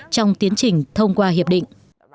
trong tiến trình thông qua hiệp định